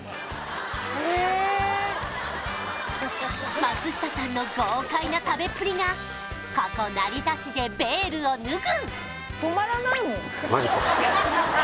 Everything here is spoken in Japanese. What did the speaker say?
へえ松下さんの豪快な食べっぷりがここ成田市でベールを脱ぐ！